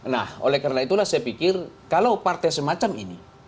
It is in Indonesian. nah oleh karena itulah saya pikir kalau partai semacam ini